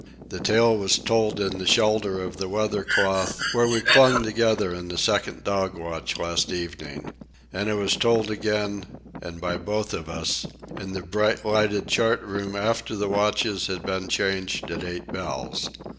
The tale was told in the shelter of the weather cloth, where we clung together in the second dog watch last evening. And it was told again, and by both of us, in the bright lighted chart room after the watches had been changed at eight bells.